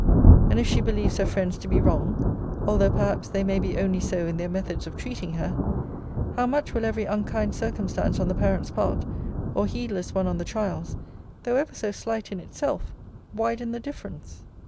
And if she believes her friends to be wrong, although perhaps they may be only so in their methods of treating her, how much will every unkind circumstance on the parent's part, or heedless one on the child's, though ever so slight in itself, widen the difference!